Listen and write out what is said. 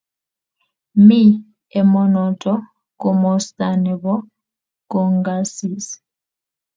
Mi emonoto komosta nepo kongasis